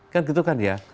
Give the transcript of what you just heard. kan gitu kan ya